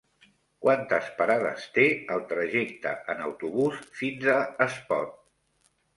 Quantes parades té el trajecte en autobús fins a Espot?